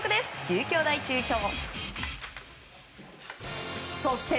中京大中京。